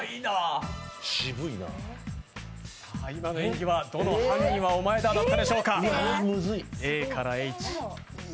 今の演技は、どの「犯人はお前だ」でしたでしょうか。